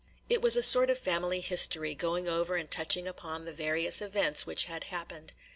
It was a sort of family history, going over and touching upon the various events which had happened.